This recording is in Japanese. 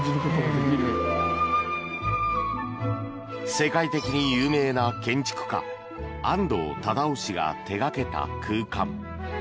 世界的に有名な建築家安藤忠雄氏が手掛けた空間。